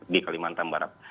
di kalimantan barat